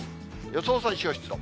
予想最小湿度。